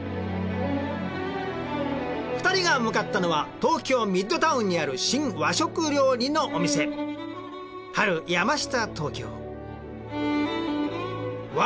２人が向かったのは東京ミッドタウンにある新和食料理のお店のお店。